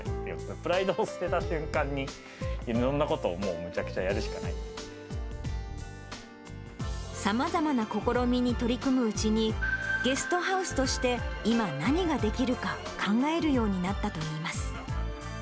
プライドを捨てた瞬間に、いろんなことをもう、さまざまな試みに取り組むうちに、ゲストハウスとして、今何ができるか、考えるようになったといいます。